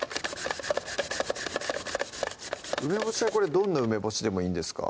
梅干しはどんな梅干しでもいいんですか？